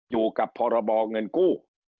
อยู่กับพรบเงินกู้